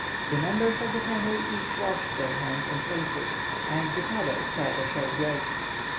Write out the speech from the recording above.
The members of the family each washed their hands and faces, and the father said a short grace.